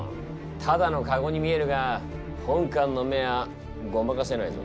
ただのカゴに見えるが本官の目はごまかせないぞ。